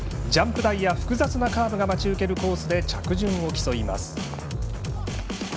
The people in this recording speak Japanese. ジャンプ台や複雑なコースが待ち受けるコースで着順を競います。